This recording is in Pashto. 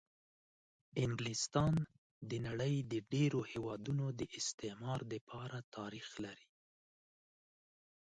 انګلستان د د نړۍ د ډېرو هېوادونو د استعمار دپاره تاریخ لري.